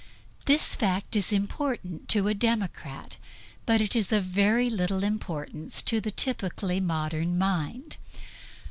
This fact is important to a democrat; but it is of very little importance to the typically modern mind.